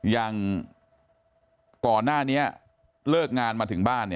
อย่างก่อนหน้านี้เลิกงานมาถึงบ้าน